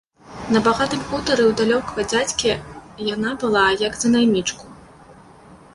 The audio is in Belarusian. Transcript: На багатым хутары ў далёкага дзядзькі яна была як за наймічку.